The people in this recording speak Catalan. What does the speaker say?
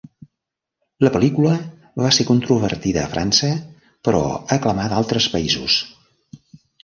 La pel·lícula va ser controvertida a França però aclamada a altres paises.